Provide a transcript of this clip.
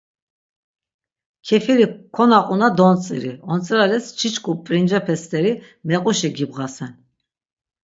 Kefiri konaquna dontziri. Ontzirales çiçku p̆rincepe steri mequşi gibğasen.